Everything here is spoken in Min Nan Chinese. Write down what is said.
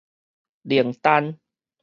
靈丹